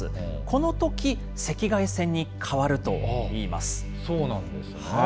このとき、赤外線に変わるといいそうなんですね。